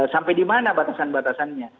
sampai di mana batasan batasannya